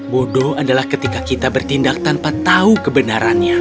bodoh adalah ketika kita bertindak tanpa tahu kebenarannya